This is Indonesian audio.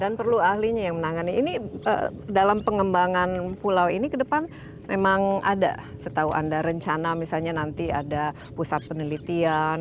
dan perlu ahlinya yang menangani ini dalam pengembangan pulau ini ke depan memang ada setahu anda rencana misalnya nanti ada pusat penelitian